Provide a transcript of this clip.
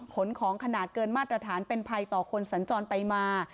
ขนของขนาดเกินมาตรฐานเป็นภัยต่อคนสัญจรไปมา